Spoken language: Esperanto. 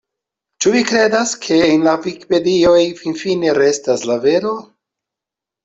Ĉu vi kredas, ke en la vikipedioj finfine restas la vero?